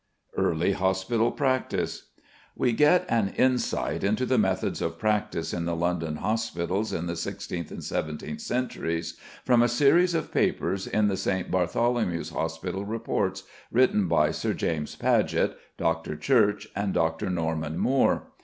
EARLY HOSPITAL PRACTICE. We get an insight into the methods of practice in the London hospitals in the sixteenth and seventeenth centuries from a series of papers in the St. Bartholomew's Hospital Reports, written by Sir James Paget, Dr. Church, and Dr. Norman Moore.